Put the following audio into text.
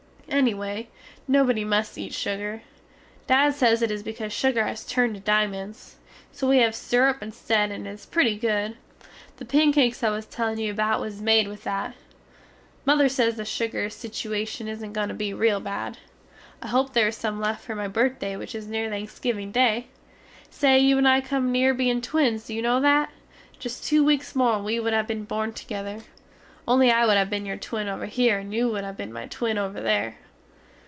Ennyway nobody must eat sugar. Dad sez it is becaus sugar has turned to dimonds, so we have sirup insted and it is pretty good, the pancakes I was tellin you about was made with that. Mother sez the sugar situashun is going to be rele bad. I hope their is some left fer my birthday which is near Thanksgiving day. Say, you and I come near bein twins do you no that? Just too weaks more and we wood have been born together, only I wood have been your twin over here and you wood have been my twin over there.